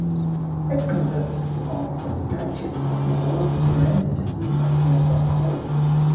It consists of a statue of Lord Grey standing atop a column.